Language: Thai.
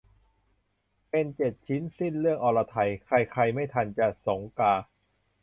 เปนเจ็ดชิ้นสิ้นเรื่องอรไทย ใครใครไม่ทันจะสงกา